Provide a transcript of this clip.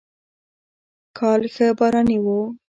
کال ښه باراني و.